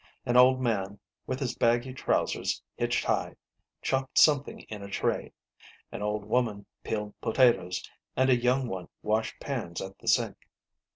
An old man, with his baggy trousers hitched high, chopped something in a tray, an old woman peeled potatoes, and a young one washed pans at the sink.